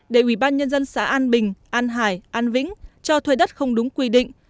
để ubnd xã an bình an hải an vĩnh cho thuê đất không đúng quy định